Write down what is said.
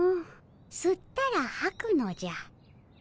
すったらはくのじゃ。